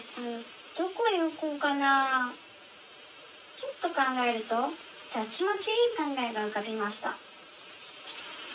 「ちょっとかんがえるとたちまちいいかんがえがうかびました」。